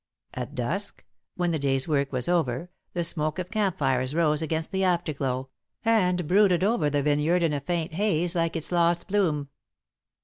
At dusk, when the day's work was over, the smoke of camp fires rose against the afterglow, and brooded over the vineyard in a faint haze like its lost bloom.